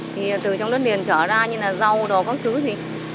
thì từ trong đất liền trở ra như là rau đò các thứ thì